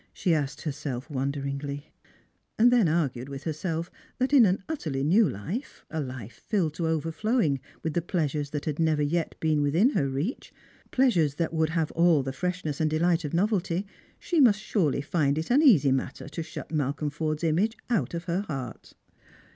" she asked herself, wonderingly; and then argued with herself that in an utterly new life, a life filled to overflowing with the pleasures that luid never yet been within her reach, pleasures that would have all the freshness and delight of novelty, she must surely fini it an easy matter to shut Malcolm Forde's image out of her heart.